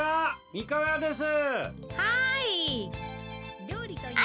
三河屋です」